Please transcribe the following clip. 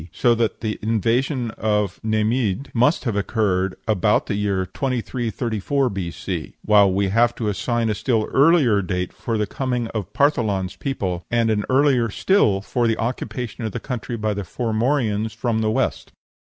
so that the invasion of Neimhidh must have occurred about the year 2334 B.C.; while we will have to assign a still earlier date for the coming of Partholan's people, and an earlier still for the occupation of the country by the Formorians from the West.